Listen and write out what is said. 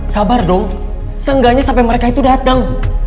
sabar dong seenggaknya sampai mereka itu datang